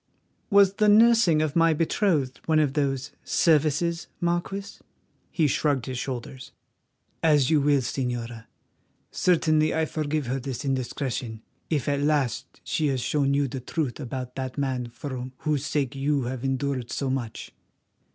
"Was the nursing of my betrothed one of those services, Marquis?" He shrugged his shoulders. "As you will, Señora. Certainly I forgive her this indiscretion, if at last she has shown you the truth about that man for whose sake you have endured so much.